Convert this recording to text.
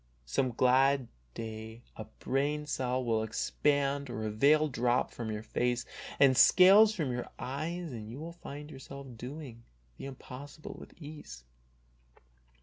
Some glad day a brain cell will expand or a veil drop from your face and scales from your eyes and you will find yourself doing the impossible with ease.